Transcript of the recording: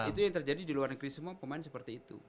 itu yang terjadi di luar negeri semua pemain seperti itu